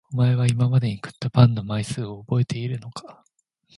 おまえは今まで食ったパンの枚数をおぼえているのか？